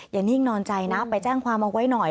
นิ่งนอนใจนะไปแจ้งความเอาไว้หน่อย